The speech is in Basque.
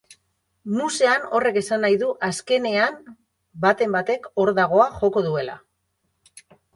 Musean horrek esan nahi du azkenean baten batek hordagoa joko duela.